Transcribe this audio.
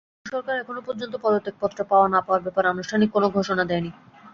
কিন্তু সরকার এখন পর্যন্ত পদত্যাগপত্র পাওয়া না-পাওয়ার ব্যাপারে আনুষ্ঠানিক কোনো ঘোষণা দেয়নি।